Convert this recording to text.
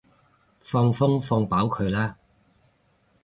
放風放飽佢啦